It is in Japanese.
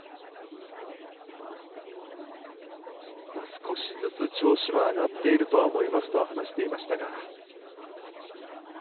少しずつ調子は上がっているとは思いますとは話していましたが。